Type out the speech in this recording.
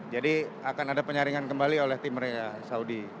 jadi akan ada penyaringan kembali oleh tim mereka saudi